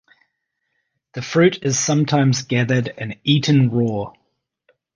The fruit is sometimes gathered and eaten raw.